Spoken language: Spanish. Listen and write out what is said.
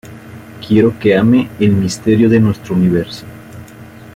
Quiero que ame el misterio de nuestro universo".